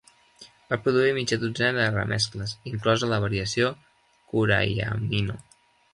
Va produir mitja dotzena de remescles, inclosa la "variació Kurayamino".